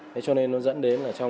thế cho nên nó dẫn đến là trong